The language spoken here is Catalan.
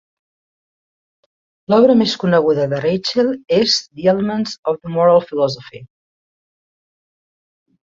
L'obra més coneguda de Rachels és "The Elements of Moral Philosophy".